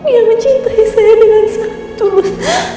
yang mencintai saya dengan sangat turun